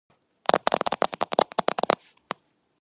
სამხრეთ ამერიკაში სიმაღლით ჩამოუვარდება მხოლოდ აკონკაგუას.